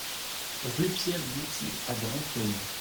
Rue Pierre Bouty à Brantôme